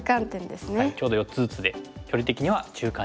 ちょうど４つずつで距離的には中間地点。